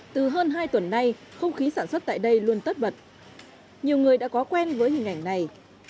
từ hơn hai tuần nay không khí sản xuất tại đây luôn tất bật nhiều người đã có quen với hình ảnh này